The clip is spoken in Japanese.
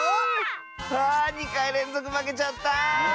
あ２かいれんぞくまけちゃった。